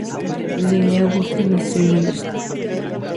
Lady Augusta nació en Londres.